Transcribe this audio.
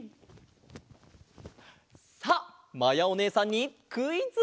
さあまやおねえさんにクイズ！